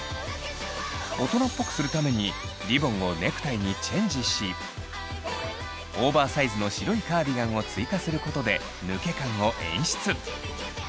大人っぽくするためにリボンをネクタイにチェンジしオーバーサイズの白いカーディガンを追加することで抜け感を演出。